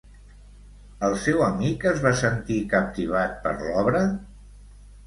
El seu amic es va sentir captivat per l'obra?